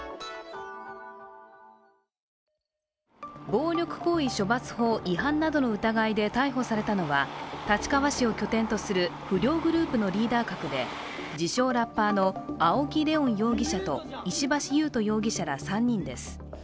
暴力行為処罰法違反などの疑いで逮捕されたのは立川市を拠点とする不良グループのリーダー格で、自称・ラッパーの青木玲音容疑者と石橋勇人容疑者ら３人です。